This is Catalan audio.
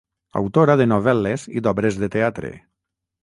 Autora de novel·les i d'obres de teatre.